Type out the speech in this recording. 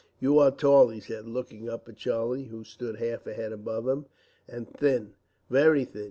"You are tall," he said, looking up at Charlie, who stood half a head above him, "and thin, very thin.